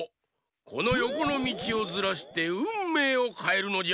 このよこのみちをずらしてうんめいをかえるのじゃ！